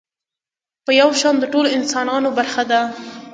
په يو شان د ټولو انسانانو برخه ده.